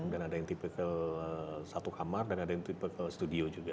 dan ada yang tipe ke satu kamar dan ada yang tipe ke studio juga